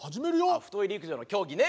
あっ太い陸上の競技ね。